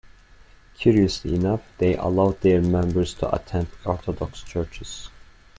Curiously enough, they allowed their members to attend Orthodox churches.